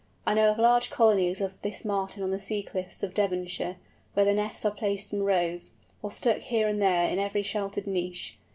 I know of large colonies of this Martin on the sea cliffs of Devonshire, where the nests are placed in rows, or stuck here and there in every sheltered niche.